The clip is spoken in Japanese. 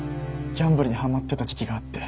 ギャンブルにはまってた時期があって。